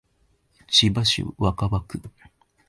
千葉市若葉区